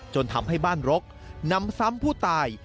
จนทำให้บ้านรกนำซ้ำผู้ตาย